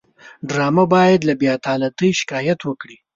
ډرامه باید له بېعدالتۍ شکایت وکړي